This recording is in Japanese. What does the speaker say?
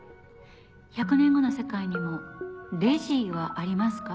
１００年後の世界にもレジはありますか？